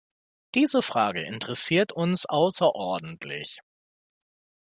Diese Frage interessiert uns außerordentlich.